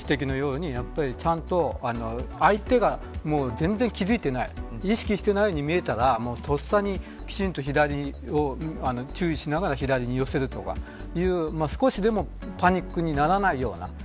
そうしたときにはさっき中島さんがご指摘のようにちゃんと相手が全然気付いていない意識していないように見えたらとっさに、きちんと左に注意しながら左に寄せるとか少しでもパニックにならないような。